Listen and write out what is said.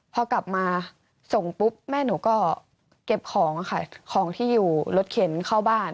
พอกลับมาส่งปุ๊บแม่หนูก็เก็บของค่ะของที่อยู่รถเข็นเข้าบ้าน